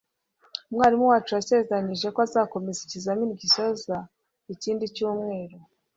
Umwarimu wacu yasezeranije ko azakomeza ikizamini gisoza ikindi cyumweru.